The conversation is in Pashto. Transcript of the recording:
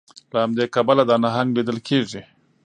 له همدې کبله دا نهنګ لیدل کیږي